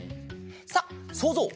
さあそうぞう！